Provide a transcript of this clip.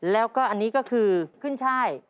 แล้วก็อันนี้ก็คือขึ้นช่าย